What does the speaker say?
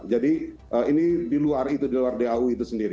jadi ini di luar itu di luar dau itu sendiri